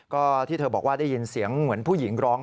ก็ที่เธอบอกว่าได้ยินเสียงเหมือนผู้หญิงร้อง